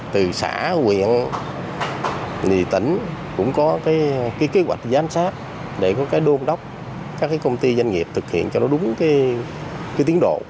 từ xã huyện tỉnh cũng có kế hoạch giám sát để đôn đốc các công ty doanh nghiệp thực hiện cho đúng tiến độ